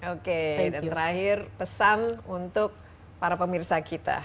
oke dan terakhir pesan untuk para pemirsa kita